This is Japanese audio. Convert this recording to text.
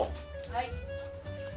はい。